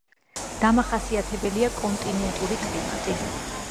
დამახასიათებელია კონტინენტური კლიმატი.